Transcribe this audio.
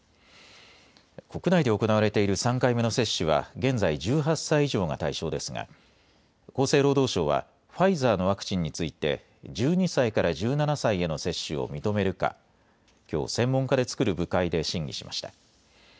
国内で行われている３回目の接種は現在１８歳以上が対象ですが厚生労働省はファイザーのワクチンについて１２歳から１７歳への接種を認めるかきょう、専門家でつくる部会で審議しました。